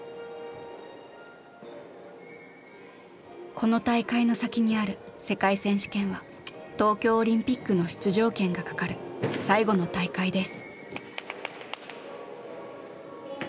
この大会の先にある世界選手権は東京オリンピックの出場権がかかる最後の大会です。